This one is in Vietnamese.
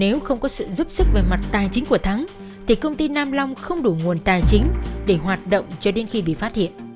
nếu không có sự giúp sức về mặt tài chính của thắng thì công ty nam long không đủ nguồn tài chính để hoạt động cho đến khi bị phát hiện